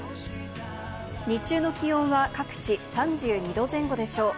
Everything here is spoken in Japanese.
日中の気温は各地３２度前後でしょう。